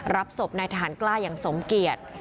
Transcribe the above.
รับศพในทหารกล้ายอย่างสมเกียรติ